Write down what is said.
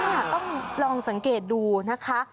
นี่ค่ะต้องลองสังเกตดูนะคะ